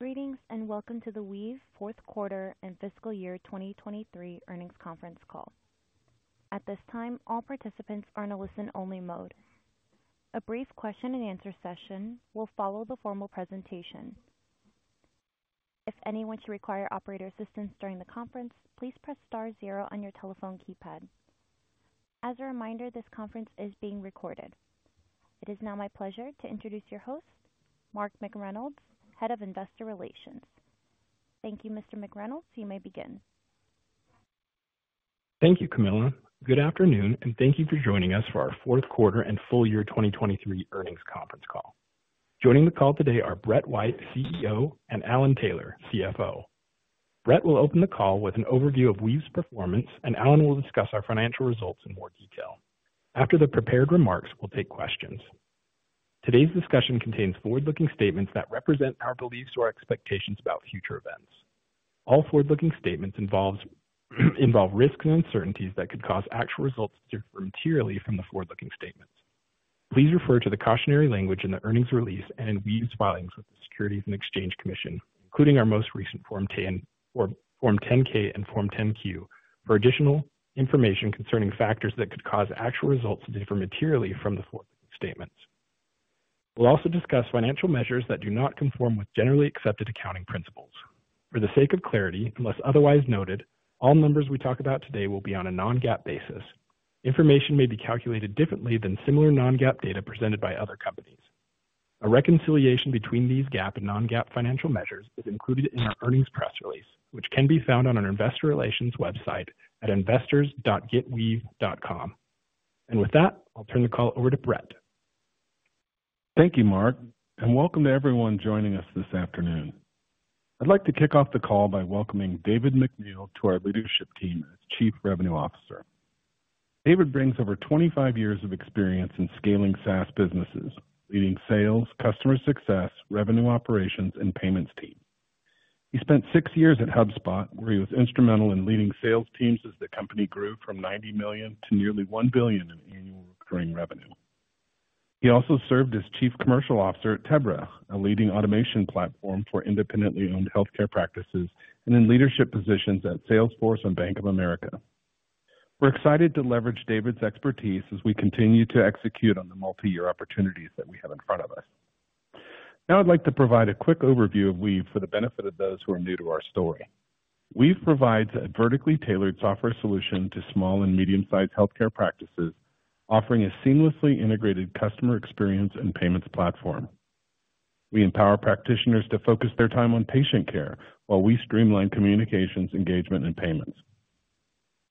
Greetings, and welcome to the Weave fourth quarter and fiscal year 2023 earnings conference call. At this time, all participants are in a listen-only mode. A brief question-and-answer session will follow the formal presentation. If anyone should require operator assistance during the conference, please press star zero on your telephone keypad. As a reminder, this conference is being recorded. It is now my pleasure to introduce your host, Mark McReynolds, Head of Investor Relations. Thank you, Mr. McReynolds. You may begin. Thank you, Camilla. Good afternoon, and thank you for joining us for our fourth quarter and full year 2023 earnings conference call. Joining the call today are Brett White, CEO, and Alan Taylor, CFO. Brett will open the call with an overview of Weave's performance, and Alan will discuss our financial results in more detail. After the prepared remarks, we'll take questions. Today's discussion contains forward-looking statements that represent our beliefs or expectations about future events. All forward-looking statements involve risks and uncertainties that could cause actual results to differ materially from the forward-looking statements. Please refer to the cautionary language in the earnings release and in Weave's filings with the Securities and Exchange Commission, including our most recent Form 10-K and Form 10-Q, for additional information concerning factors that could cause actual results to differ materially from the forward-looking statements. We'll also discuss financial measures that do not conform with generally accepted accounting principles. For the sake of clarity, unless otherwise noted, all numbers we talk about today will be on a non-GAAP basis. Information may be calculated differently than similar non-GAAP data presented by other companies. A reconciliation between these GAAP and non-GAAP financial measures is included in our earnings press release, which can be found on our investor relations website at investors.getweave.com. With that, I'll turn the call over to Brett. Thank you, Mark, and welcome to everyone joining us this afternoon. I'd like to kick off the call by welcoming David McNeil to our leadership team as Chief Revenue Officer. David brings over 25 years of experience in scaling SaaS businesses, leading sales, customer success, revenue operations, and payments team. He spent six years at HubSpot, where he was instrumental in leading sales teams as the company grew from $90 million to nearly $1 billion in annual recurring revenue. He also served as Chief Commercial Officer at Tebra, a leading automation platform for independently owned healthcare practices and in leadership positions at Salesforce and Bank of America. We're excited to leverage David's expertise as we continue to execute on the multi-year opportunities that we have in front of us. Now, I'd like to provide a quick overview of Weave for the benefit of those who are new to our story. Weave provides a vertically tailored software solution to small and medium-sized healthcare practices, offering a seamlessly integrated customer experience and payments platform. We empower practitioners to focus their time on patient care, while we streamline communications, engagement, and payments.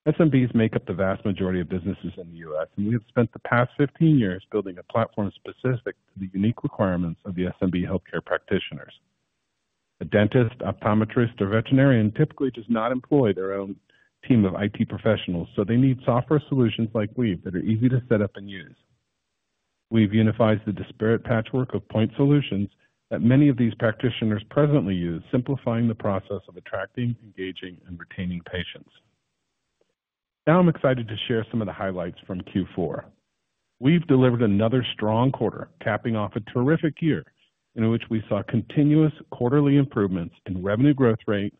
SMBs make up the vast majority of businesses in the U.S., and we have spent the past 15 years building a platform specific to the unique requirements of the SMB healthcare practitioners. A dentist, optometrist, or veterinarian typically does not employ their own team of IT professionals, so they need software solutions like Weave that are easy to set up and use. Weave unifies the disparate patchwork of point solutions that many of these practitioners presently use, simplifying the process of attracting, engaging, and retaining patients. Now, I'm excited to share some of the highlights from Q4. We've delivered another strong quarter, capping off a terrific year in which we saw continuous quarterly improvements in revenue growth rate,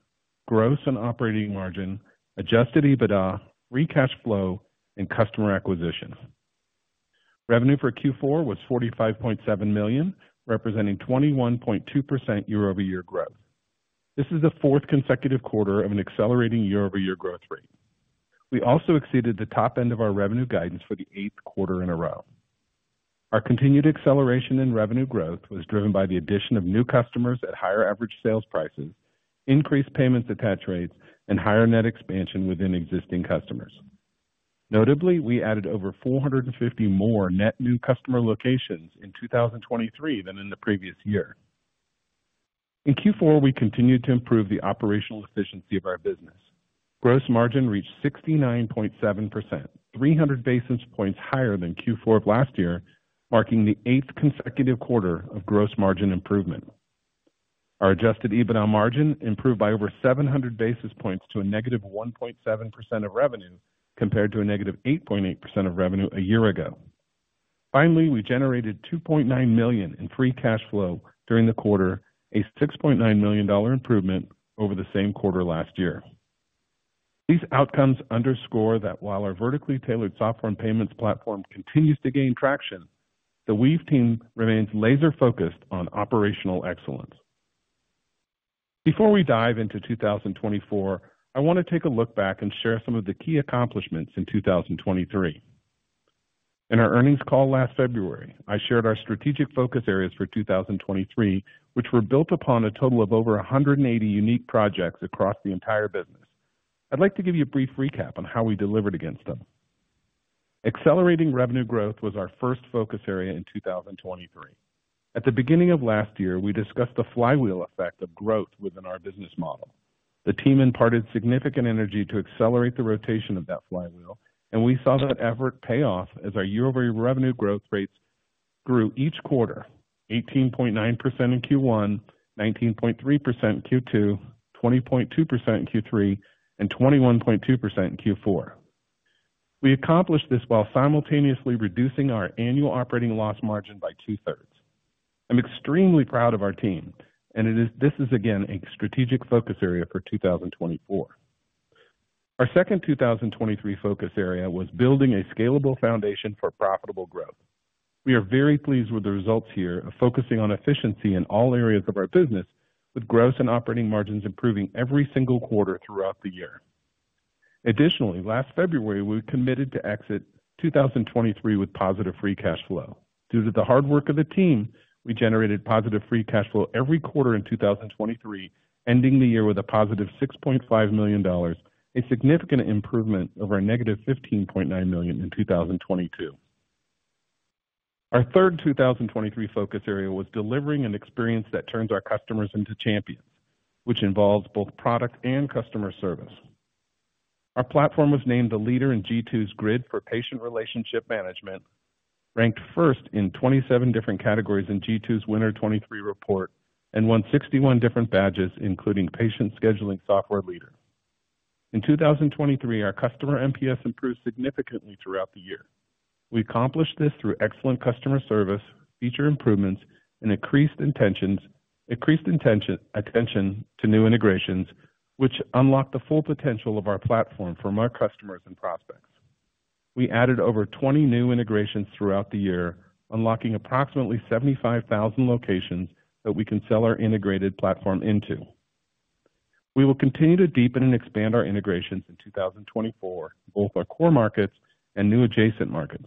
gross and operating margin, Adjusted EBITDA, free cash flow, and customer acquisition. Revenue for Q4 was $45.7 million, representing 21.2% year-over-year growth. This is the fourth consecutive quarter of an accelerating year-over-year growth rate. We also exceeded the top end of our revenue guidance for the 8th quarter in a row. Our continued acceleration in revenue growth was driven by the addition of new customers at higher average sales prices, increased payments attach rates, and higher net expansion within existing customers. Notably, we added over 450 more net new customer locations in 2023 than in the previous year. In Q4, we continued to improve the operational efficiency of our business. Gross margin reached 69.7%, 300 basis points higher than Q4 of last year, marking the 8th consecutive quarter of gross margin improvement. Our Adjusted EBITDA margin improved by over 700 basis points to a -1.7% of revenue, compared to a -8.8% of revenue a year ago. Finally, we generated $2.9 million in free cash flow during the quarter, a $6.9 million improvement over the same quarter last year. These outcomes underscore that while our vertically tailored software and payments platform continues to gain traction, the Weave team remains laser-focused on operational excellence. Before we dive into 2024, I want to take a look back and share some of the key accomplishments in 2023. In our earnings call last February, I shared our strategic focus areas for 2023, which were built upon a total of over 180 unique projects across the entire business. I'd like to give you a brief recap on how we delivered against them. Accelerating revenue growth was our first focus area in 2023. At the beginning of last year, we discussed the flywheel effect of growth within our business model. The team imparted significant energy to accelerate the rotation of that flywheel, and we saw that effort pay off as our year-over-year revenue growth rates grew each quarter, 18.9% in Q1, 19.3% in Q2, 20.2% in Q3, and 21.2% in Q4. We accomplished this while simultaneously reducing our annual operating loss margin by 2/3. I'm extremely proud of our team, and this is again, a strategic focus area for 2024. Our second 2023 focus area was building a scalable foundation for profitable growth. We are very pleased with the results here of focusing on efficiency in all areas of our business, with gross and operating margins improving every single quarter throughout the year. Additionally, last February, we committed to exit 2023 with positive free cash flow. Due to the hard work of the team, we generated positive free cash flow every quarter in 2023, ending the year with a positive $6.5 million, a significant improvement over our negative $15.9 million in 2022. Our third 2023 focus area was delivering an experience that turns our customers into champions, which involves both product and customer service. Our platform was named the leader in G2's Grid for Patient Relationship Management, ranked first in 27 different categories in G2's Winter 2023 report, and won 61 different badges, including Patient Scheduling Software Leader. In 2023, our customer NPS improved significantly throughout the year. We accomplished this through excellent customer service, feature improvements, and increased attention to new integrations, which unlock the full potential of our platform from our customers and prospects. We added over 20 new integrations throughout the year, unlocking approximately 75,000 locations that we can sell our integrated platform into. We will continue to deepen and expand our integrations in 2024, both our core markets and new adjacent markets.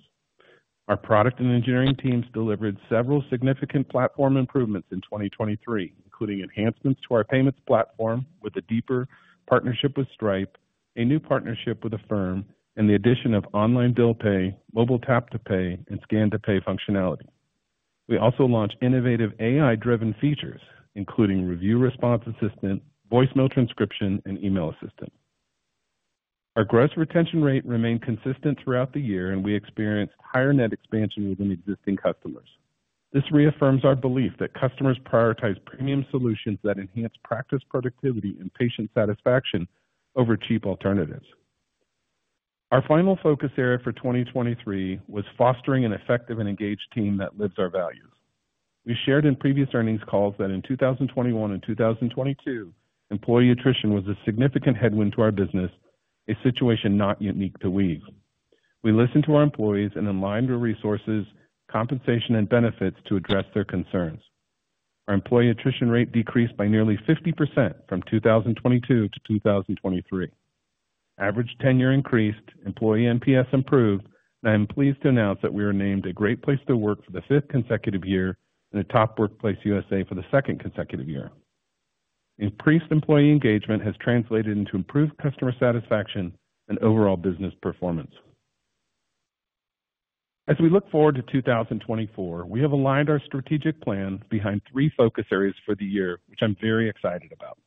Our product and engineering teams delivered several significant platform improvements in 2023, including enhancements to our payments platform with a deeper partnership with Stripe, a new partnership with Affirm, and the addition of Online Bill Pay, Mobile Tap-to-Pay, and Scan-to-Pay functionality. We also launched innovative AI-driven features, including Review Response Assistant, Voicemail Transcription, and Email Assistant. Our gross retention rate remained consistent throughout the year, and we experienced higher net expansion within existing customers. This reaffirms our belief that customers prioritize premium solutions that enhance practice, productivity, and patient satisfaction over cheap alternatives. Our final focus area for 2023 was fostering an effective and engaged team that lives our values. We shared in previous earnings calls that in 2021 and 2022, employee attrition was a significant headwind to our business, a situation not unique to Weave. We listened to our employees and aligned our resources, compensation, and benefits to address their concerns. Our employee attrition rate decreased by nearly 50% from 2022 to 2023. Average tenure increased, employee NPS improved, and I am pleased to announce that we were named a Great Place to Work for the 5th consecutive year and a Top Workplace USA for the 2nd consecutive year. Increased employee engagement has translated into improved customer satisfaction and overall business performance. As we look forward to 2024, we have aligned our strategic plan behind three focus areas for the year, which I'm very excited about.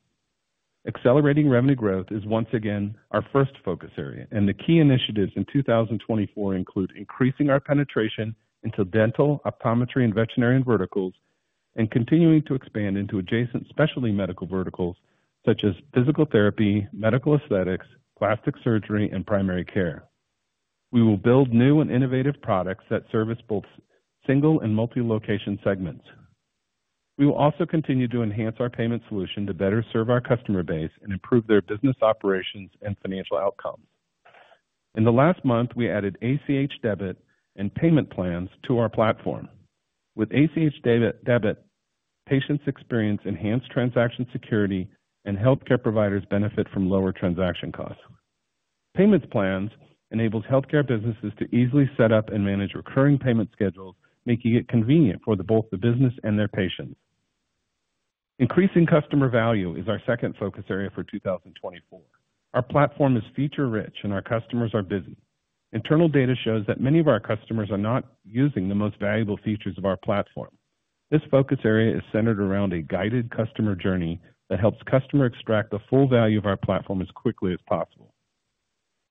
Accelerating revenue growth is once again our first focus area, and the key initiatives in 2024 include increasing our penetration into dental, optometry, and veterinarian verticals, and continuing to expand into adjacent specialty medical verticals such as physical therapy, medical aesthetics, plastic surgery, and primary care. We will build new and innovative products that service both single and multi-location segments. We will also continue to enhance our payment solution to better serve our customer base and improve their business operations and financial outcomes. In the last month, we added ACH Debit and Payment Plans to our platform. With ACH Debit, patients experience enhanced transaction security, and healthcare providers benefit from lower transaction costs. Payment Plans enables healthcare businesses to easily set up and manage recurring payment schedules, making it convenient for the both the business and their patients. Increasing customer value is our second focus area for 2024. Our platform is feature-rich and our customers are busy. Internal data shows that many of our customers are not using the most valuable features of our platform. This focus area is centered around a guided customer journey that helps customer extract the full value of our platform as quickly as possible.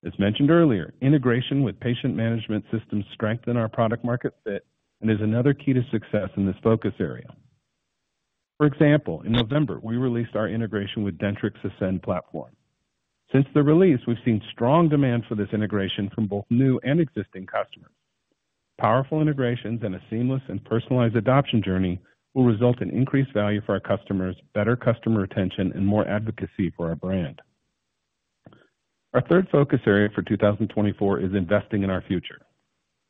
As mentioned earlier, integration with patient management systems strengthen our product market fit and is another key to success in this focus area. For example, in November, we released our integration with Dentrix Ascend Platform. Since the release, we've seen strong demand for this integration from both new and existing customers. Powerful integrations and a seamless and personalized adoption journey will result in increased value for our customers, better customer retention, and more advocacy for our brand. Our third focus area for 2024 is investing in our future,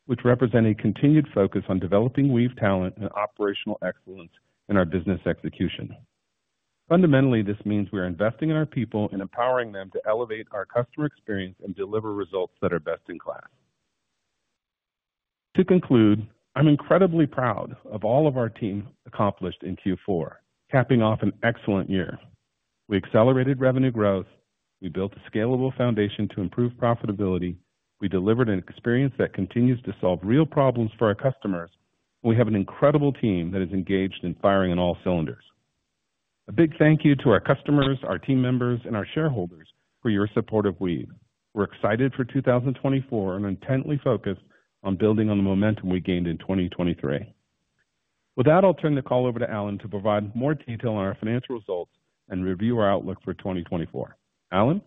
which represent a continued focus on developing Weave talent and operational excellence in our business execution. Fundamentally, this means we are investing in our people and empowering them to elevate our customer experience and deliver results that are best in class. To conclude, I'm incredibly proud of all of our team accomplished in Q4, capping off an excellent year. We accelerated revenue growth, we built a scalable foundation to improve profitability, we delivered an experience that continues to solve real problems for our customers, and we have an incredible team that is engaged in firing on all cylinders. A big thank you to our customers, our team members, and our shareholders for your support of Weave. We're excited for 2024 and intently focused on building on the momentum we gained in 2023. With that, I'll turn the call over to Alan to provide more detail on our financial results and review our outlook for 2024. Alan?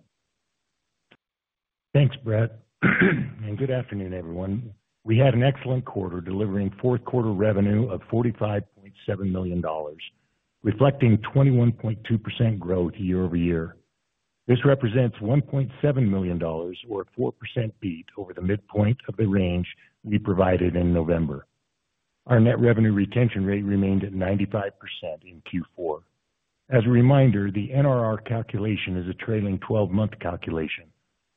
Thanks, Brett, and good afternoon, everyone. We had an excellent quarter, delivering fourth quarter revenue of $45.7 million, reflecting 21.2% growth year-over-year. This represents $1.7 million or a 4% beat over the midpoint of the range we provided in November. Our net revenue retention rate remained at 95% in Q4. As a reminder, the NRR calculation is a trailing 12 month calculation.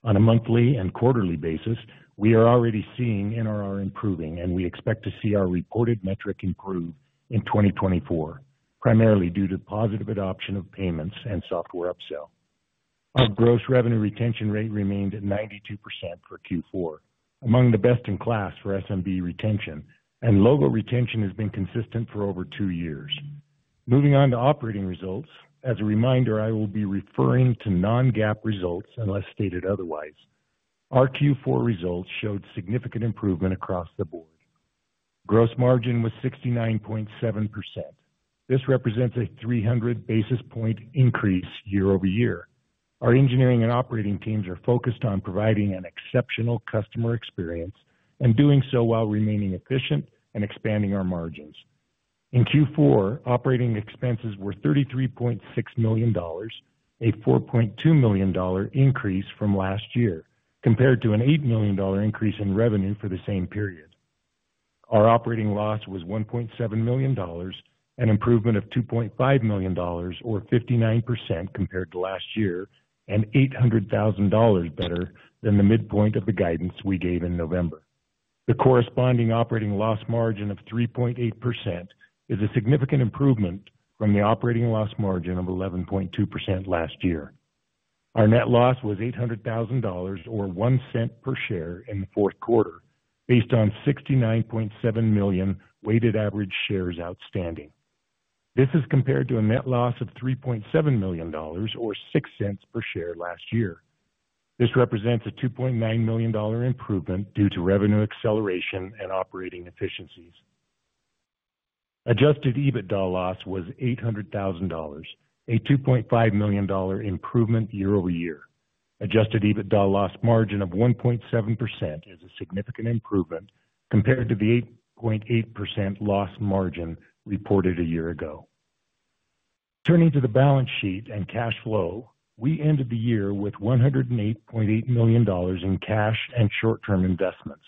On a monthly and quarterly basis, we are already seeing NRR improving, and we expect to see our reported metric improve in 2024, primarily due to positive adoption of payments and software upsell. Our gross revenue retention rate remained at 92% for Q4, among the best in class for SMB retention, and logo retention has been consistent for over two years. Moving on to operating results, as a reminder, I will be referring to non-GAAP results unless stated otherwise. Our Q4 results showed significant improvement across the board. Gross margin was 69.7%. This represents a 300 basis point increase year-over-year. Our engineering and operating teams are focused on providing an exceptional customer experience and doing so while remaining efficient and expanding our margins. In Q4, operating expenses were $33.6 million, a $4.2 million increase from last year, compared to an $8 million increase in revenue for the same period. Our operating loss was $1.7 million, an improvement of $2.5 million or 59% compared to last year, and $800,000 better than the midpoint of the guidance we gave in November. The corresponding operating loss margin of 3.8% is a significant improvement from the operating loss margin of 11.2% last year. Our net loss was $800,000 or $0.01 per share in the fourth quarter, based on 69.7 million weighted average shares outstanding. This is compared to a net loss of $3.7 million or $0.06 per share last year. This represents a $2.9 million improvement due to revenue acceleration and operating efficiencies. Adjusted EBITDA loss was $800,000, a $2.5 million improvement year over year. Adjusted EBITDA loss margin of 1.7% is a significant improvement compared to the 8.8% loss margin reported a year ago. Turning to the balance sheet and cash flow, we ended the year with $108.8 million in cash and short-term investments.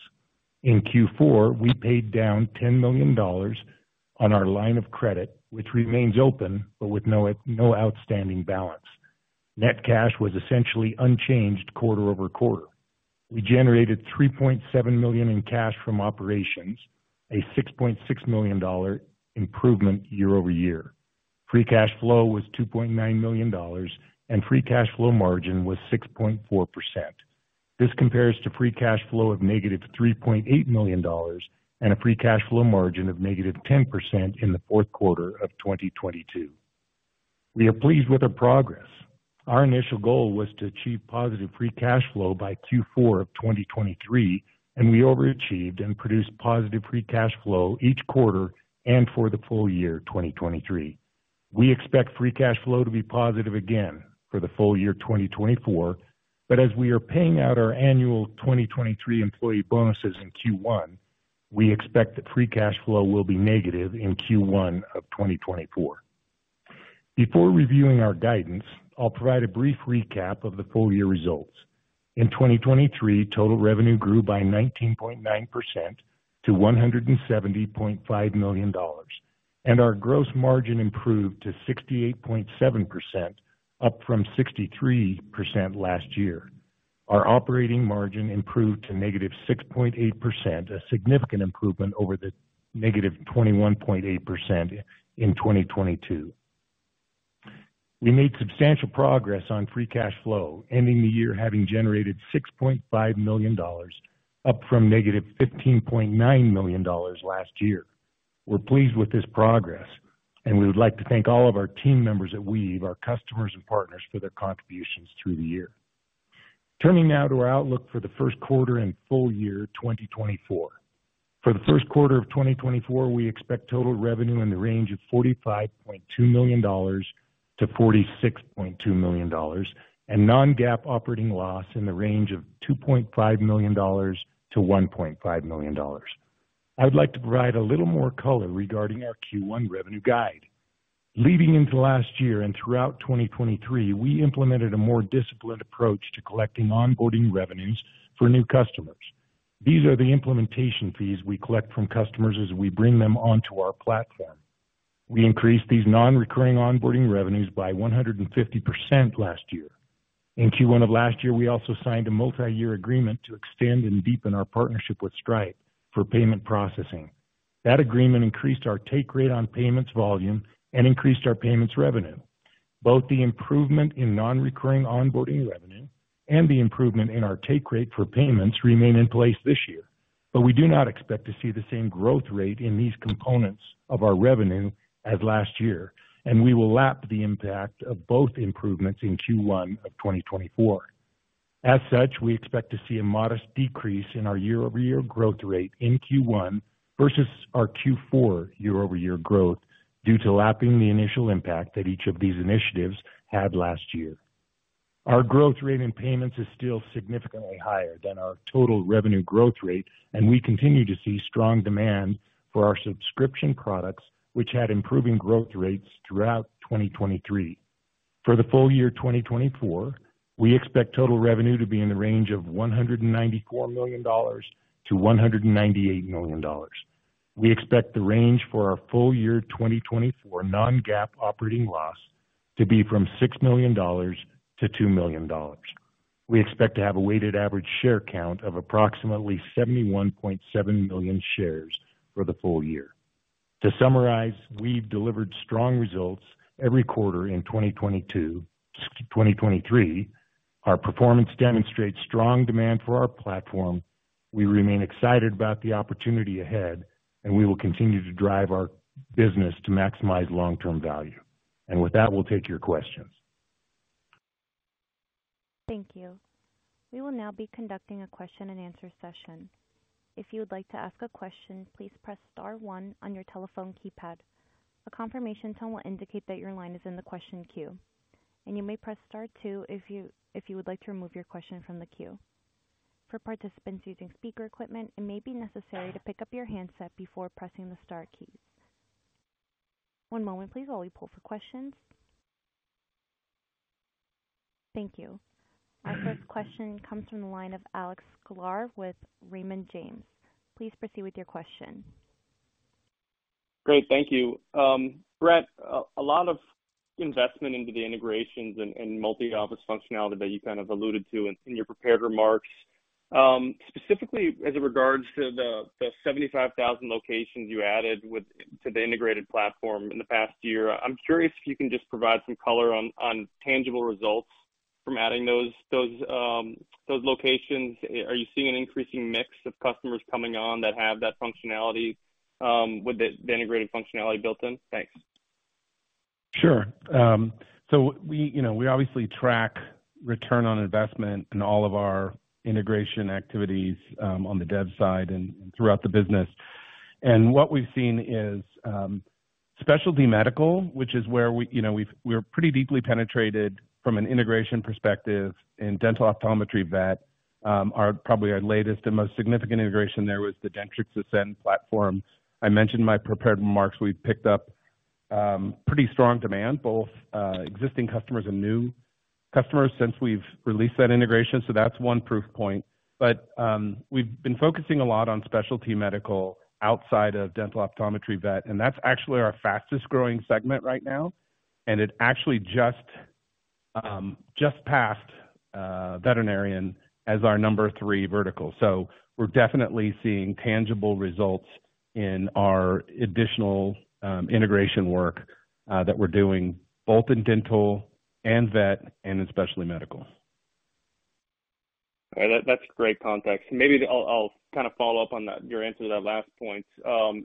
In Q4, we paid down $10 million on our line of credit, which remains open, but with no outstanding balance. Net cash was essentially unchanged quarter-over-quarter. We generated $3.7 million in cash from operations, a $6.6 million improvement year-over-year. Free cash flow was $2.9 million, and free cash flow margin was 6.4%. This compares to free cash flow of -$3.8 million and a free cash flow margin of -10% in the fourth quarter of 2022. We are pleased with our progress. Our initial goal was to achieve positive free cash flow by Q4 of 2023, and we overachieved and produced positive free cash flow each quarter and for the full year 2023. We expect free cash flow to be positive again for the full year 2024, but as we are paying out our annual 2023 employee bonuses in Q1, we expect that free cash flow will be negative in Q1 of 2024. Before reviewing our guidance, I'll provide a brief recap of the full year results. In 2023, total revenue grew by 19.9% to $170.5 million, and our gross margin improved to 68.7%, up from 63% last year. Our operating margin improved to -6.8%, a significant improvement over the -21.8% in 2022. We made substantial progress on free cash flow, ending the year having generated $6.5 million, up from negative $15.9 million last year. We're pleased with this progress, and we would like to thank all of our team members at Weave, our customers and partners for their contributions through the year. Turning now to our outlook for the first quarter and full year 2024. For the first quarter of 2024, we expect total revenue in the range of $45.2 million-$46.2 million and non-GAAP operating loss in the range of $2.5 million-$1.5 million. I would like to provide a little more color regarding our Q1 revenue guide. Leading into last year and throughout 2023, we implemented a more disciplined approach to collecting onboarding revenues for new customers. These are the implementation fees we collect from customers as we bring them onto our platform. We increased these non-recurring onboarding revenues by 150% last year. In Q1 of last year, we also signed a multiyear agreement to extend and deepen our partnership with Stripe for payment processing. That agreement increased our take rate on payments volume and increased our payments revenue. Both the improvement in non-recurring onboarding revenue and the improvement in our take rate for payments remain in place this year. But we do not expect to see the same growth rate in these components of our revenue as last year, and we will lap the impact of both improvements in Q1 of 2024. As such, we expect to see a modest decrease in our year-over-year growth rate in Q1 versus our Q4 year-over-year growth, due to lapping the initial impact that each of these initiatives had last year. Our growth rate in payments is still significantly higher than our total revenue growth rate, and we continue to see strong demand for our subscription products, which had improving growth rates throughout 2023. For the full year 2024, we expect total revenue to be in the range of $194 million-$198 million. We expect the range for our full year 2024 non-GAAP operating loss to be from $6 million-$2 million. We expect to have a weighted average share count of approximately 71.7 million shares for the full year. To summarize, we've delivered strong results every quarter in 2022, 2023. Our performance demonstrates strong demand for our platform. We remain excited about the opportunity ahead, and we will continue to drive our business to maximize long-term value. With that, we'll take your questions. Thank you. We will now be conducting a question-and-answer session. If you would like to ask a question, please press star one on your telephone keypad. A confirmation tone will indicate that your line is in the question queue, and you may press star two if you would like to remove your question from the queue. For participants using speaker equipment, it may be necessary to pick up your handset before pressing the star keys. One moment, please, while we pull for questions. Thank you. Our first question comes from the line of Alex Sklar with Raymond James. Please proceed with your question. Great, thank you. Brett, a lot of investment into the integrations and multi-office functionality that you kind of alluded to in your prepared remarks. Specifically, as it regards to the 75,000 locations you added to the integrated platform in the past year, I'm curious if you can just provide some color on tangible results from adding those locations. Are you seeing an increasing mix of customers coming on that have that functionality with the integrated functionality built in? Thanks. Sure. So we, you know, we obviously track return on investment in all of our integration activities, on the dev side and throughout the business. And what we've seen is, specialty medical, which is where we, you know, we've, we're pretty deeply penetrated from an integration perspective in dental, optometry, vet. Our probably our latest and most significant integration there was the Dentrix Ascend platform. I mentioned in my prepared remarks, we've picked up pretty strong demand, both existing customers and new customers since we've released that integration. So that's one proof point. But we've been focusing a lot on specialty medical outside of dental, optometry, vet, and that's actually our fastest growing segment right now, and it actually just passed veterinarian as our number three vertical. So we're definitely seeing tangible results in our additional integration work that we're doing, both in dental and vet and in specialty medical. All right. That's great context. Maybe I'll kind of follow up on that, your answer to that last point.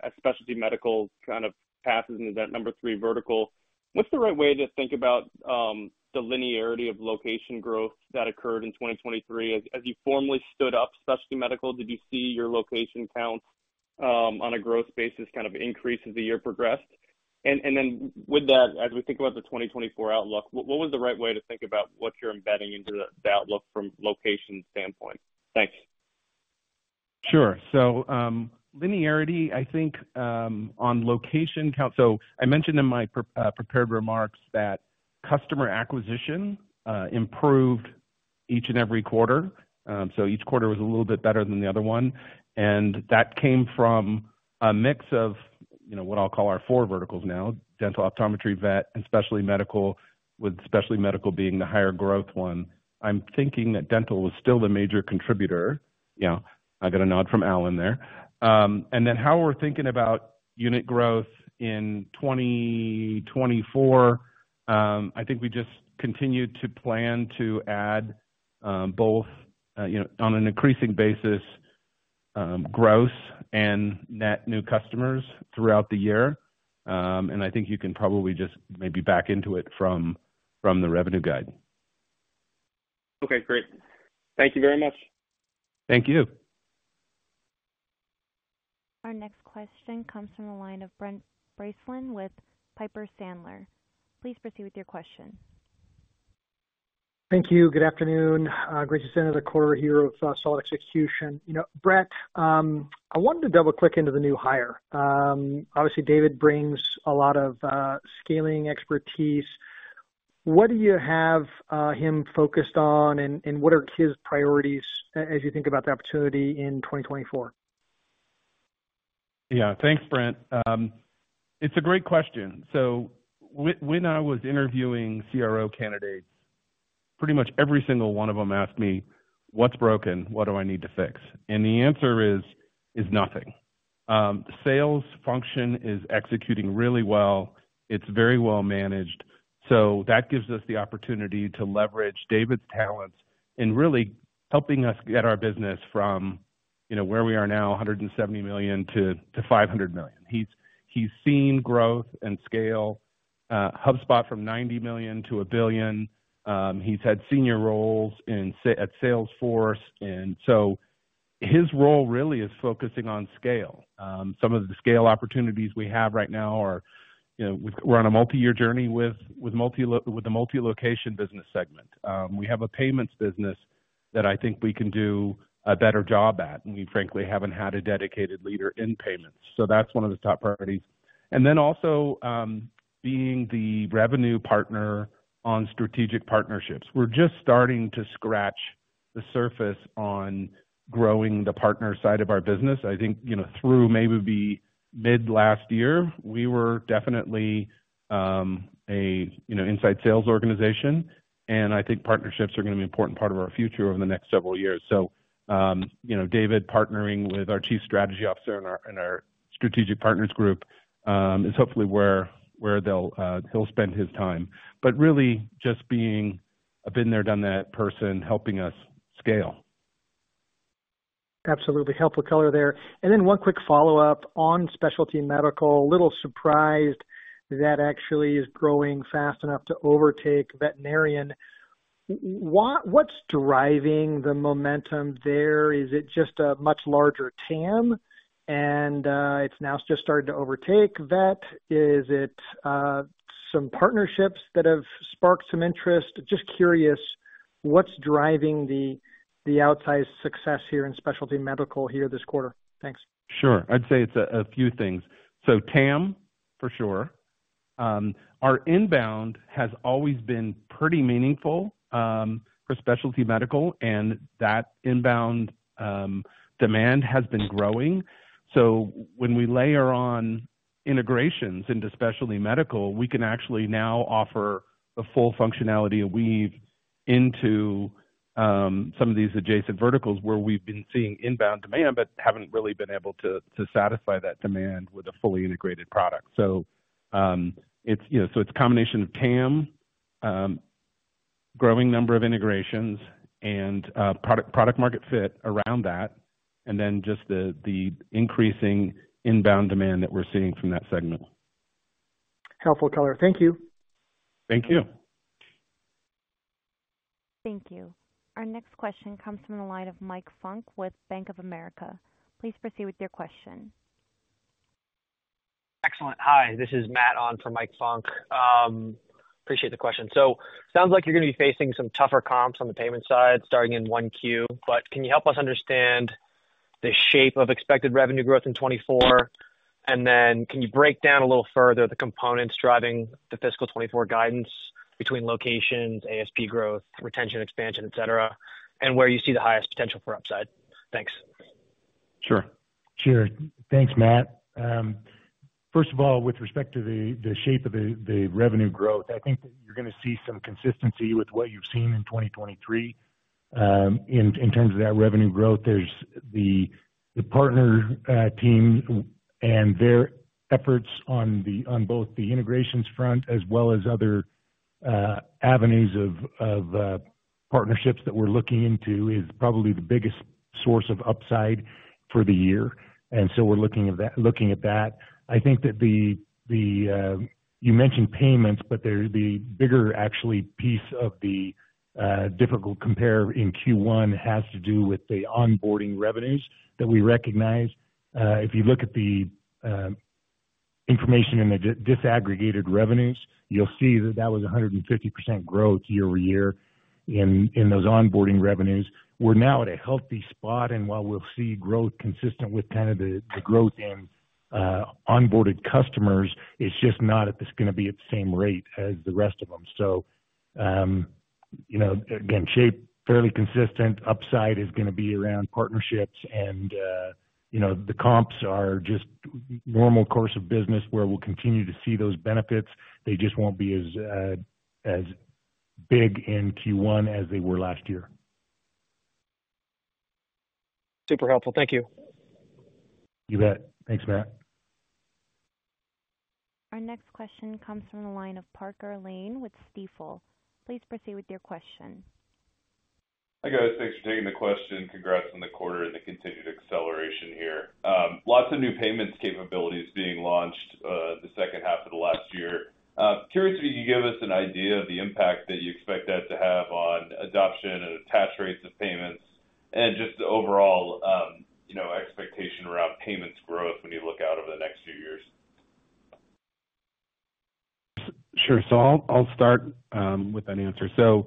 As specialty medical kind of passes into that number three vertical, what's the right way to think about the linearity of location growth that occurred in 2023? As you formally stood up specialty medical, did you see your location count on a growth basis, kind of increase as the year progressed? And then with that, as we think about the 2024 outlook, what was the right way to think about what you're embedding into the outlook from location standpoint? Thanks. Sure. So, linearity, I think, on location count. So I mentioned in my prepared remarks that customer acquisition improved each and every quarter. So each quarter was a little bit better than the other one, and that came from a mix of, you know, what I'll call our four verticals now: dental, optometry, vet, and specialty medical, with specialty medical being the higher growth one. I'm thinking that dental is still the major contributor. You know, I got a nod from Alan there. And then how we're thinking about unit growth in 2024, I think we just continue to plan to add both, you know, on an increasing basis, growth and net new customers throughout the year. And I think you can probably just maybe back into it from the revenue guide. Okay, great. Thank you very much. Thank you. Our next question comes from the line of Brent Bracelin with Piper Sandler. Please proceed with your question. Thank you. Good afternoon. Great to see another quarter here of solid execution. You know, Brett, I wanted to double-click into the new hire. Obviously, David brings a lot of scaling expertise. What do you have him focused on, and what are his priorities as you think about the opportunity in 2024? Yeah. Thanks, Brent. It's a great question. So when I was interviewing CRO candidates, pretty much every single one of them asked me: What's broken? What do I need to fix? And the answer is nothing. Sales function is executing really well. It's very well managed, so that gives us the opportunity to leverage David's talents in really helping us get our business from you know, where we are now, $170 million to $500 million. He's seen growth and scale, HubSpot from $90 million to $1 billion. He's had senior roles in SaaS at Salesforce, and so his role really is focusing on scale. Some of the scale opportunities we have right now are, you know, we're on a multi-year journey with the multi-location business segment. We have a payments business that I think we can do a better job at, and we frankly haven't had a dedicated leader in payments, so that's one of the top priorities. Then also, being the revenue partner on strategic partnerships. We're just starting to scratch the surface on growing the partner side of our business. I think, you know, through maybe mid last year, we were definitely, you know, inside sales organization, and I think partnerships are going to be an important part of our future over the next several years. So, you know, David, partnering with our Chief Strategy Officer and our strategic partners group is hopefully where he'll spend his time. But really just being a been there, done that person, helping us scale. Absolutely. Helpful color there. And then one quick follow-up on specialty medical. A little surprised that actually is growing fast enough to overtake veterinarian. What, what's driving the momentum there? Is it just a much larger TAM, and it's now just starting to overtake vet? Is it some partnerships that have sparked some interest? Just curious, what's driving the outsized success here in specialty medical here this quarter? Thanks. Sure. I'd say it's a few things. So TAM, for sure. Our inbound has always been pretty meaningful, for specialty medical, and that inbound, demand has been growing. So when we layer on integrations into specialty medical, we can actually now offer the full functionality of Weave into, some of these adjacent verticals where we've been seeing inbound demand, but haven't really been able to, to satisfy that demand with a fully integrated product. So, it's, you know, so it's a combination of TAM, growing number of integrations and, product, product-market fit around that, and then just the, the increasing inbound demand that we're seeing from that segment. Helpful color. Thank you. Thank you. Thank you. Our next question comes from the line of Mike Funk with Bank of America. Please proceed with your question. Excellent. Hi, this is Matt on for Mike Funk. Appreciate the question. So sounds like you're gonna be facing some tougher comps on the payment side, starting in 1Q, but can you help us understand the shape of expected revenue growth in 2024? And then can you break down a little further the components driving the fiscal 2024 guidance between locations, ASP growth, retention, expansion, et cetera, and where you see the highest potential for upside? Thanks. Sure. Sure. Thanks, Matt. First of all, with respect to the shape of the revenue growth, I think that you're gonna see some consistency with what you've seen in 2023, in terms of that revenue growth. There's the partner team and their efforts on both the integrations front as well as other avenues of partnerships that we're looking into, is probably the biggest source of upside for the year, and so we're looking at that, looking at that. I think that you mentioned payments, but the bigger actually piece of the difficult compare in Q1 has to do with the onboarding revenues that we recognize. If you look at the information in the disaggregated revenues, you'll see that that was 150% growth year-over-year in those onboarding revenues. We're now at a healthy spot, and while we'll see growth consistent with kind of the growth in onboarded customers, it's just not gonna be at the same rate as the rest of them. So, you know, again, shape, fairly consistent. Upside is gonna be around partnerships and, you know, the comps are just normal course of business where we'll continue to see those benefits. They just won't be as big in Q1 as they were last year. Super helpful. Thank you. You bet. Thanks, Matt. Our next question comes from the line of Parker Lane with Stifel. Please proceed with your question. Hi, guys. Thanks for taking the question. Congrats on the quarter and the continued acceleration here. Lots of new payments capabilities being launched, the second half of the last year. Curious if you could give us an idea of the impact that you expect that to have on adoption and attach rates of payments and just the overall, you know, expectation around payments growth when you look out over the next few years. Sure. So I'll start with an answer. So,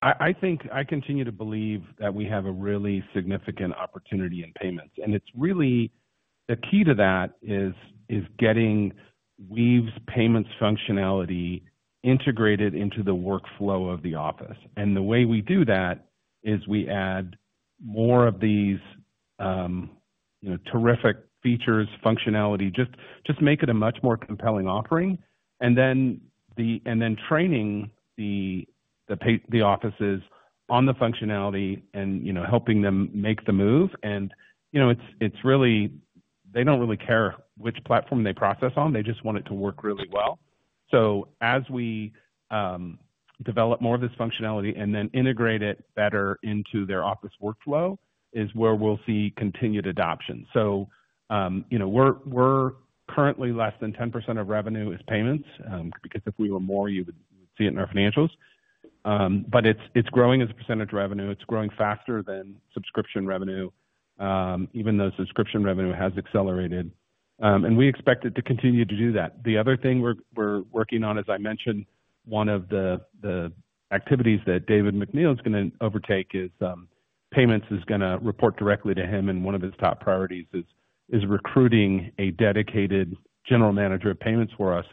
I think I continue to believe that we have a really significant opportunity in payments, and it's really the key to that is getting Weave's payments functionality integrated into the workflow of the office. And the way we do that is we add more of these, you know, terrific features, functionality, just make it a much more compelling offering. And then training the offices on the functionality and, you know, helping them make the move. And, you know, it's really they don't really care which platform they process on. They just want it to work really well. So as we develop more of this functionality and then integrate it better into their office workflow, is where we'll see continued adoption. So, you know, we're currently less than 10% of revenue is payments. Because if we were more, you would see it in our financials. But it's growing as a percentage of revenue. It's growing faster than subscription revenue, even though subscription revenue has accelerated, and we expect it to continue to do that. The other thing we're working on, as I mentioned, one of the activities that David McNeil is gonna overtake is payments, is gonna report directly to him, and one of his top priorities is recruiting a dedicated general manager of payments for us,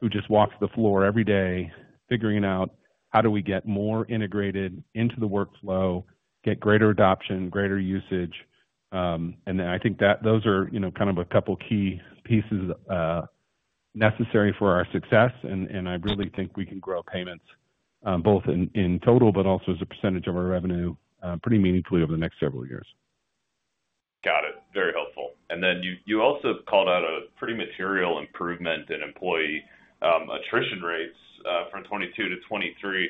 who just walks the floor every day, figuring out how do we get more integrated into the workflow, get greater adoption, greater usage. And then I think that those are, you know, kind of a couple key pieces necessary for our success, and I really think we can grow payments both in total, but also as a percentage of our revenue pretty meaningfully over the next several years. Got it. Very helpful. And then you also called out a pretty material improvement in employee attrition rates from 2022 to 2023.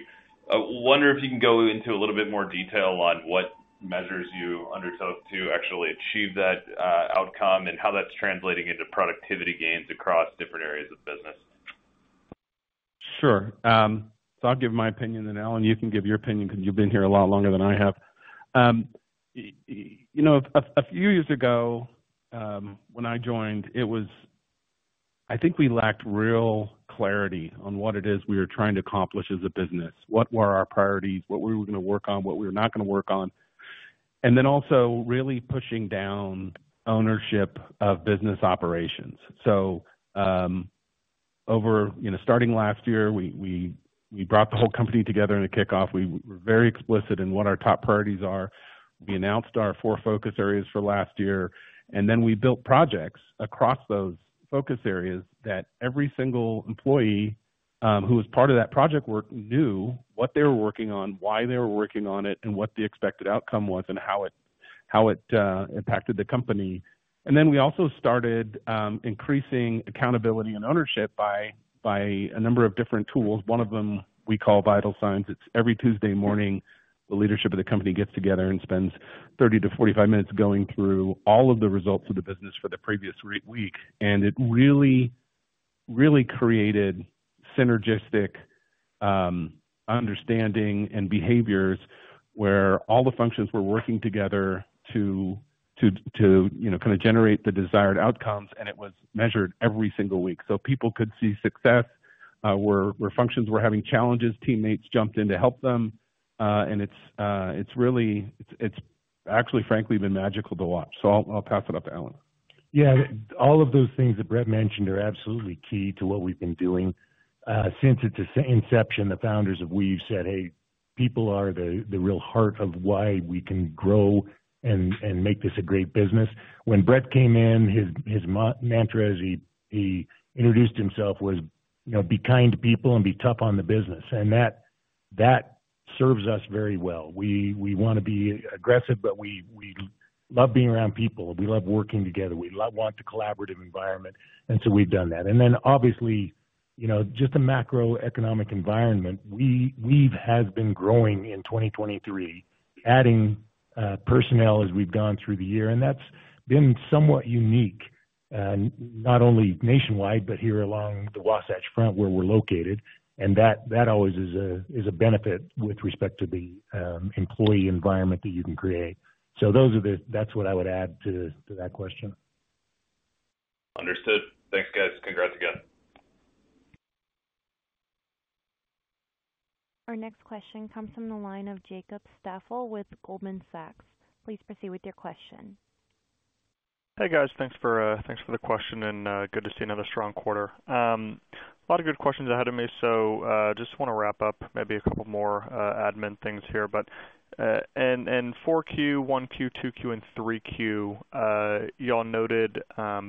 I wonder if you can go into a little bit more detail on what measures you undertook to actually achieve that outcome and how that's translating into productivity gains across different areas of business. Sure. So I'll give my opinion, then, Alan, you can give your opinion because you've been here a lot longer than I have. You know, a few years ago, when I joined, it was, I think we lacked real clarity on what it is we were trying to accomplish as a business. What were our priorities, what we were gonna work on, what we were not gonna work on, and then also really pushing down ownership of business operations. So, over, you know, starting last year, we brought the whole company together in a kickoff. We were very explicit in what our top priorities are. We announced our four focus areas for last year, and then we built projects across those focus areas that every single employee who was part of that project work knew what they were working on, why they were working on it, and what the expected outcome was and how it impacted the company. And then we also started increasing accountability and ownership by a number of different tools. One of them we call Vital Signs. It's every Tuesday morning; the leadership of the company gets together and spends 30-45 minutes going through all of the results of the business for the previous week. It really, really created synergistic understanding and behaviors where all the functions were working together to you know kind of generate the desired outcomes, and it was measured every single week so people could see success. Where functions were having challenges, teammates jumped in to help them. And it's really. It's actually, frankly, been magical to watch. So I'll pass it up to Alan. Yeah, all of those things that Brett mentioned are absolutely key to what we've been doing. Since its inception, the founders of Weave said, "Hey, people are the real heart of why we can grow and make this a great business." When Brett came in, his mantra as he introduced himself was, you know, "Be kind to people and be tough on the business." And that serves us very well. We wanna be aggressive, but we love being around people. We love working together. We want a collaborative environment, and so we've done that. And then, obviously, you know, just the macroeconomic environment, Weave has been growing in 2023, adding personnel as we've gone through the year, and that's been somewhat unique, not only nationwide, but here along the Wasatch Front, where we're located. And that always is a benefit with respect to the employee environment that you can create. So those are the, that's what I would add to that question. Understood. Thanks, guys. Congrats again. Our next question comes from the line of Jacob Stephan with Goldman Sachs. Please proceed with your question. Hey, guys, thanks for thanks for the question, and good to see another strong quarter. A lot of good questions ahead of me, so just wanna wrap up maybe a couple more admin things here, but in Q4, Q1, Q2 and Q3, y'all noted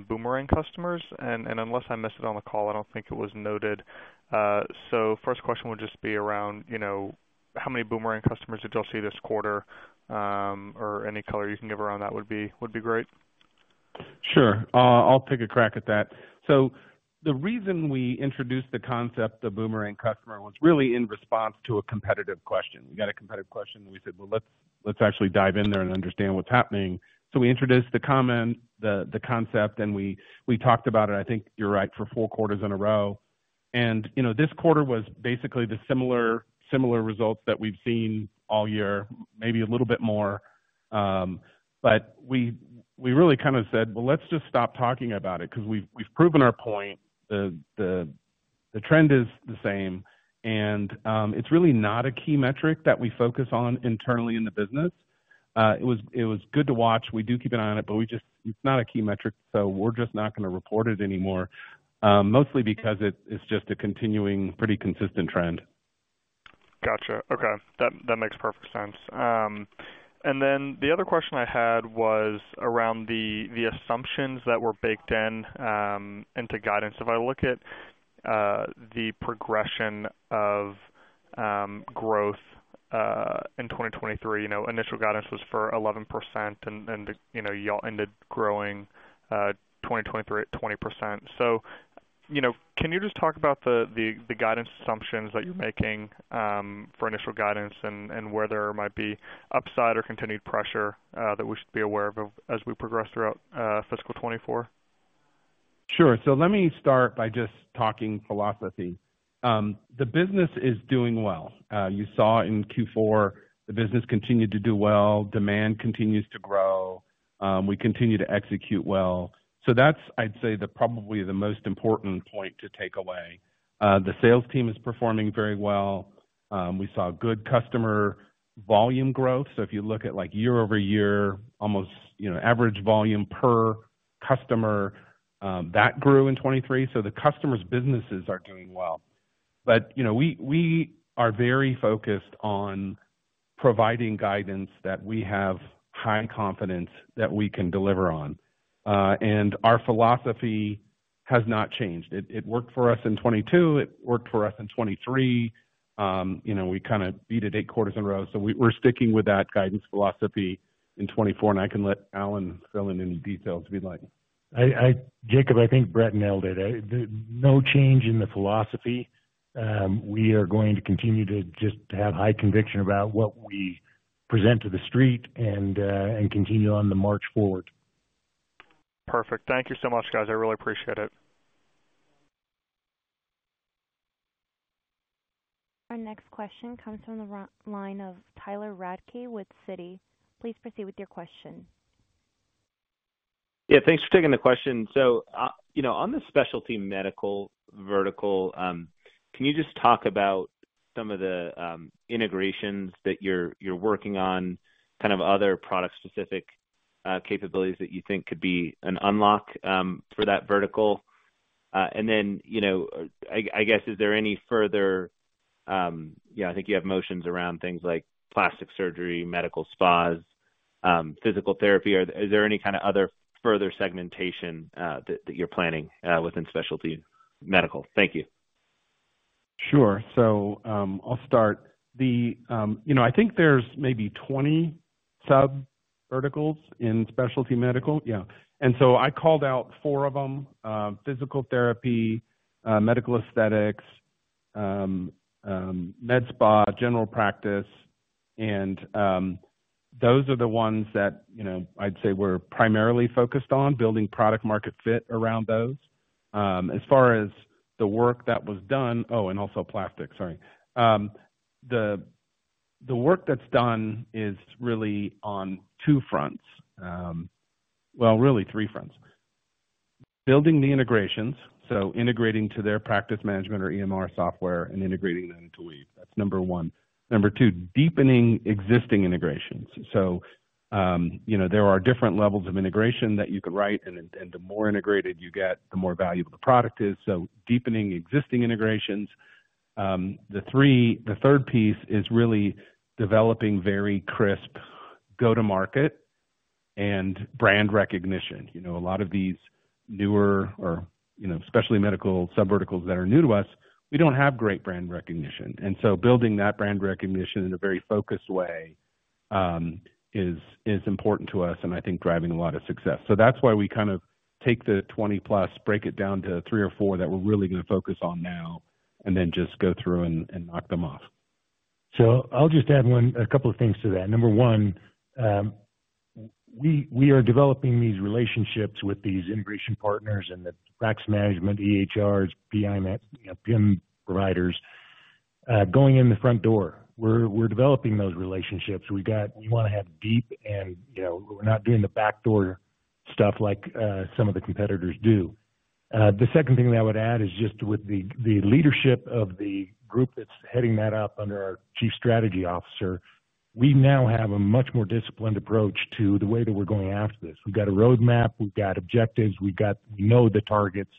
boomerang customers, and unless I missed it on the call, I don't think it was noted. So first question would just be around, you know, how many boomerang customers did y'all see this quarter? Or any color you can give around that would be great. Sure. I'll take a crack at that. So the reason we introduced the concept of boomerang customer was really in response to a competitive question. We got a competitive question, and we said: Well, let's actually dive in there and understand what's happening. So we introduced the concept, and we talked about it, I think you're right, for four quarters in a row. And, you know, this quarter was basically the similar results that we've seen all year, maybe a little bit more. But we really kind of said: Well, let's just stop talking about it because we've proven our point. The trend is the same, and it's really not a key metric that we focus on internally in the business. It was good to watch. We do keep an eye on it, but we just, it's not a key metric, so we're just not gonna report it anymore, mostly because it's just a continuing, pretty consistent trend. Gotcha. Okay. That makes perfect sense. And then the other question I had was around the assumptions that were baked into guidance. If I look at the progression of growth in 2023. You know, initial guidance was for 11%, and you know, you all ended growing 2023, 20%. So, you know, can you just talk about the guidance assumptions that you're making for initial guidance and where there might be upside or continued pressure that we should be aware of as we progress throughout fiscal 2024? Sure. So let me start by just talking philosophy. The business is doing well. You saw in Q4, the business continued to do well. Demand continues to grow. We continue to execute well. So that's, I'd say, probably the most important point to take away. The sales team is performing very well. We saw good customer volume growth. So if you look at, like, year-over-year, almost, you know, average volume per customer, that grew in 2023. So the customers' businesses are doing well. But, you know, we are very focused on providing guidance that we have high confidence that we can deliver on, and our philosophy has not changed. It worked for us in 2022; it worked for us in 2023. You know, we kind of beat it eight quarters in a row, so we're sticking with that guidance philosophy in 2024, and I can let Alan fill in any details if you'd like. Jacob, I think Brett nailed it. No change in the philosophy. We are going to continue to just have high conviction about what we present to the street and continue on the march forward. Perfect. Thank you so much, guys. I really appreciate it. Our next question comes from the line of Tyler Radke with Citi. Please proceed with your question. Yeah, thanks for taking the question. So, you know, on the specialty medical vertical, can you just talk about some of the integrations that you're working on, kind of other product-specific capabilities that you think could be an unlock for that vertical? And then, you know, I guess, is there any further, yeah, I think you have motions around things like plastic surgery, medical spas, physical therapy. Or is there any kind of other further segmentation that you're planning within specialty medical? Thank you. Sure. So, I'll start. The, you know, I think there's maybe 20 sub verticals in specialty medical. Yeah, and so I called out four of them: physical therapy, medical aesthetics, med spa, general practice, and, those are the ones that, you know, I'd say we're primarily focused on building product market fit around those. As far as the work that was done, oh, and also plastic, sorry. The, the work that's done is really on two fronts. Well, really three fronts. Building the integrations, so integrating to their practice management or EMR software and integrating them into Weave. That's number one. Number two, deepening existing integrations. So, you know, there are different levels of integration that you could write, and, and the more integrated you get, the more valuable the product is, so deepening existing integrations. The third piece is really developing very crisp go-to-market and brand recognition. You know, a lot of these newer, you know, especially medical sub verticals that are new to us, we don't have great brand recognition. And so building that brand recognition in a very focused way is important to us, and I think driving a lot of success. So that's why we kind of take the 20+, break it down to three or four that we're really going to focus on now and then just go through and knock them off. So I'll just add one, a couple of things to that. Number one, we are developing these relationships with these integration partners and the practice management, EHRs, PIMS, PIM providers, going in the front door. We're developing those relationships. We wanna have deep, and you know, we're not doing the backdoor stuff like some of the competitors do. The second thing that I would add is just with the leadership of the group that's heading that up under our Chief Strategy Officer, we now have a much more disciplined approach to the way that we're going after this. We've got a roadmap, we've got objectives, we've got, we know the targets.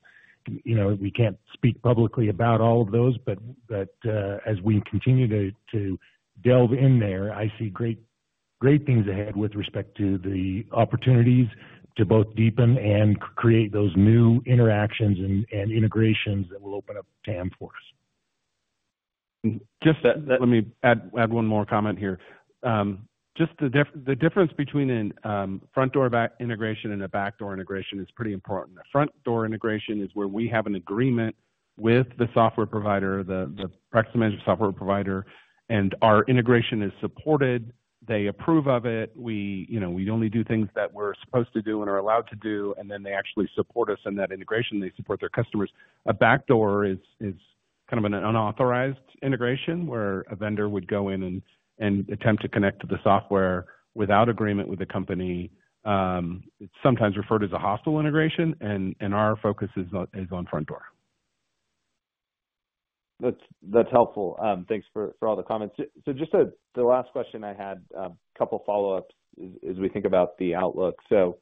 You know, we can't speak publicly about all of those, but as we continue to delve in there, I see great, great things ahead with respect to the opportunities to both deepen and create those new interactions and integrations that will open up TAM for us. Just that, let me add one more comment here. Just the difference between a front door integration and a backdoor integration is pretty important. A front door integration is where we have an agreement with the software provider, the practice management software provider, and our integration is supported. They approve of it. We, you know, we only do things that we're supposed to do and are allowed to do, and then they actually support us in that integration. They support their customers. A backdoor is kind of an unauthorized integration, where a vendor would go in and attempt to connect to the software without agreement with the company, sometimes referred to as a hostile integration, and our focus is on front door. That's helpful. Thanks for all the comments. So just the last question I had, a couple follow-ups as we think about the outlook. So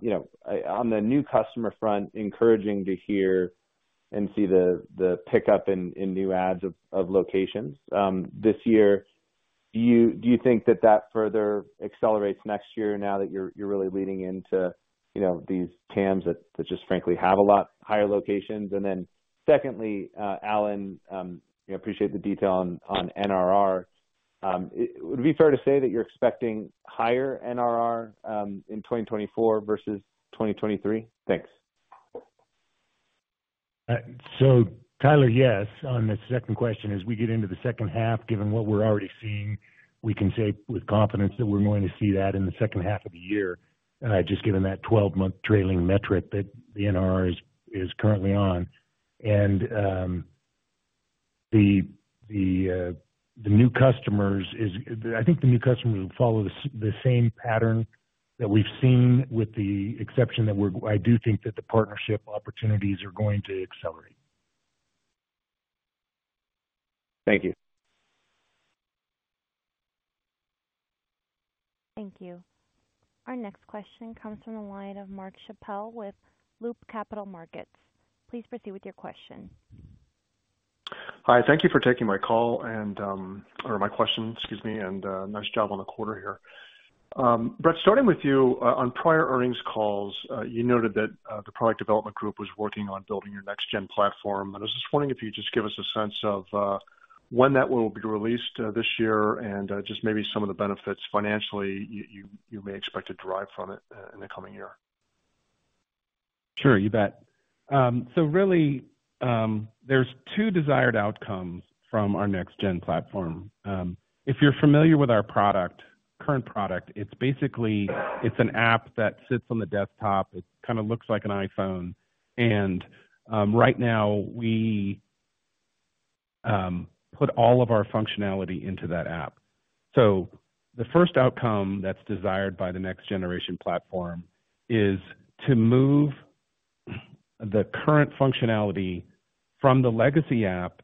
you know, on the new customer front, encouraging to hear and see the pickup in new adds of locations. This year. Do you think that further accelerates next year now that you're really leading into, you know, these TAMs that just frankly have a lot higher locations? And then secondly, Alan, I appreciate the detail on NRR. Would it be fair to say that you're expecting higher NRR in 2024 versus 2023? Thanks. So Tyler, yes, on the second question, as we get into the second half, given what we're already seeing, we can say with confidence that we're going to see that in the second half of the year, just given that 12-month trailing metric that the NRR is currently on. I think the new customers will follow the same pattern that we've seen, with the exception that I do think that the partnership opportunities are going to accelerate. Thank you. Thank you. Our next question comes from the line of Mark Schappel with Loop Capital Markets. Please proceed with your question. Hi, thank you for taking my call and, or my question, excuse me, and, nice job on the quarter here. Brett, starting with you, on prior earnings calls, you noted that, the product development group was working on building your next gen platform. I was just wondering if you could just give us a sense of, when that will be released, this year, and, just maybe some of the benefits financially you may expect to derive from it, in the coming year. Sure, you bet. So really, there's two desired outcomes from our next-gen platform. If you're familiar with our product, current product, it's basically, it's an app that sits on the desktop. It kind of looks like an iPhone, and right now, we put all of our functionality into that app. So the first outcome that's desired by the next generation platform is to move the current functionality from the legacy app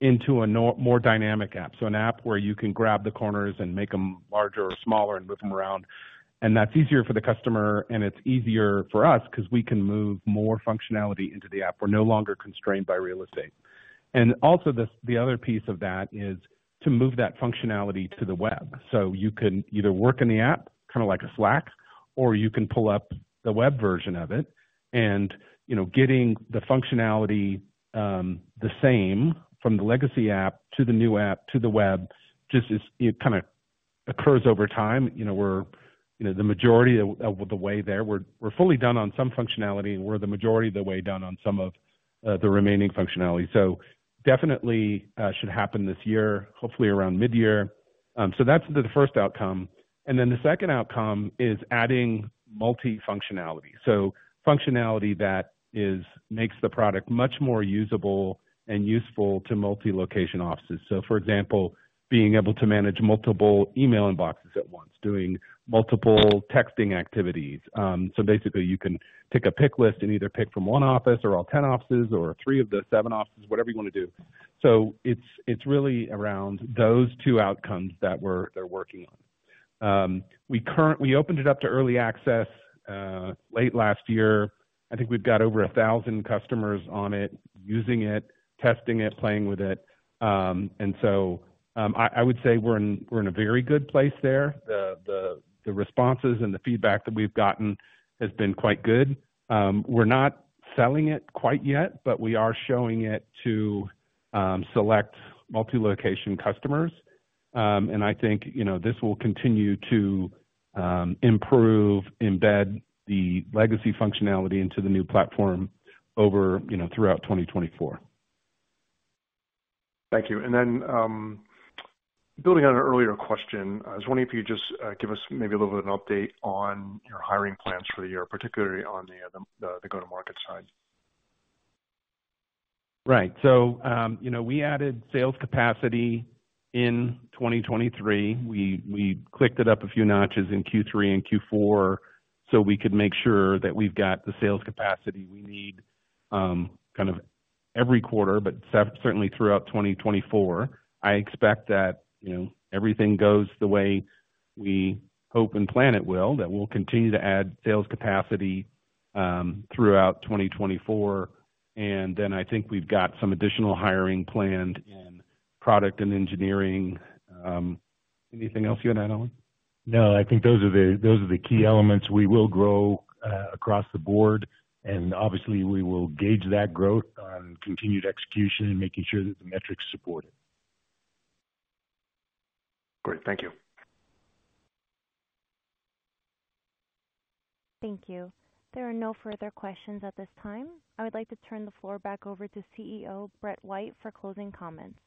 into a more dynamic app. So an app where you can grab the corners and make them larger or smaller and move them around. And that's easier for the customer, and it's easier for us because we can move more functionality into the app. We're no longer constrained by real estate. And also, the other piece of that is to move that functionality to the web. So you can either work in the app, kind of like a Slack, or you can pull up the web version of it. And, you know, getting the functionality, the same from the legacy app to the new app, to the web, just is it kind of occurs over time. You know, we're, you know, the majority of the way there. We're fully done on some functionality, and we're the majority of the way done on some of the remaining functionality. So definitely, should happen this year, hopefully around midyear. So that's the first outcome. And then the second outcome is adding multi-functionality. So functionality that is, makes the product much more usable and useful to multi-location offices. So for example, being able to manage multiple email inboxes at once, doing multiple texting activities. So basically you can pick a picklist and either pick from one office or all 10 offices or three of the seven offices, whatever you want to do. So it's really around those two outcomes that we're working on. We opened it up to early access late last year. I think we've got over 1,000 customers on it, using it, testing it, playing with it. And so I would say we're in a very good place there. The responses and the feedback that we've gotten has been quite good. We're not selling it quite yet, but we are showing it to select multi-location customers. And I think, you know, this will continue to improve, embed the legacy functionality into the new platform over, you know, throughout 2024. Thank you. And then, building on an earlier question, I was wondering if you could just give us maybe a little bit of an update on your hiring plans for the year, particularly on the go-to-market side. Right. So, you know, we added sales capacity in 2023. We clicked it up a few notches in Q3 and Q4, so we could make sure that we've got the sales capacity we need, kind of every quarter, but certainly throughout 2024. I expect that, you know, everything goes the way we hope and plan it will, that we'll continue to add sales capacity throughout 2024. And then I think we've got some additional hiring planned in product and engineering. Anything else you want to add, Alan? No, I think those are the key elements. We will grow across the board, and obviously, we will gauge that growth on continued execution and making sure that the metrics support it. Great. Thank you. Thank you. There are no further questions at this time. I would like to turn the floor back over to CEO, Brett White, for closing comments.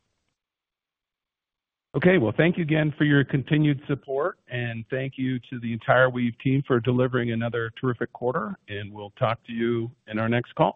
Okay, well, thank you again for your continued support, and thank you to the entire Weave team for delivering another terrific quarter, and we'll talk to you in our next call.